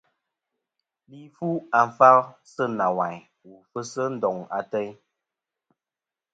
Li fu àfal sɨ nawayn wu fɨsi ndoŋ ateyn.